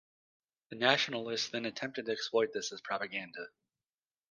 The Nationalists then attempted to exploit this as propaganda.